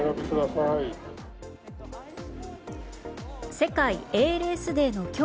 世界ＡＬＳデーの今日